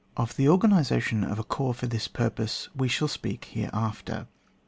Of the organisation of a corps for this purpose, we shall speak hereafter.